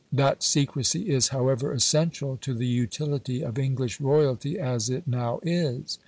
That secrecy is, however, essential to the utility of English royalty as it now is.